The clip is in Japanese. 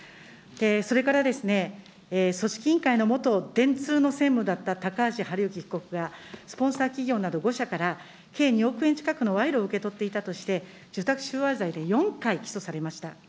それから、組織委員会の元電通の専務だった高橋治之被告がスポンサー企業など５社から、計２億円近くのわいろを受け取っていたとして、受託収賄罪で４回起訴されました。